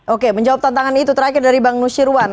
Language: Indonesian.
oke menjawab tantangan itu terakhir dari bang nusyirwan